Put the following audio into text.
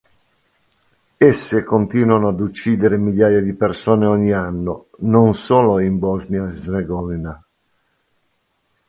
Esse continuano ad uccidere migliaia di persone ogni anno non solo in Bosnia Erzegovina.